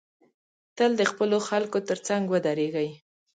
تل د خپلو خلکو تر څنګ ودریږی